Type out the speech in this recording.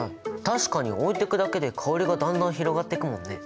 確かに置いとくだけで香りがだんだん広がってくもんね！